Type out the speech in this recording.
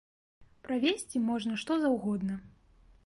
Правезці можна што заўгодна.